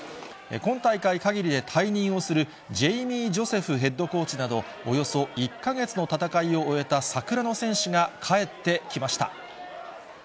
今大会かぎりで退任をするジェイミー・ジョセフヘッドコーチなど、およそ１か月の戦いを終えた桜の戦士が帰ってきました。